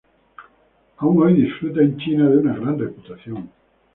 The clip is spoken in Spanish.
Aún hoy disfruta en China de una gran reputación.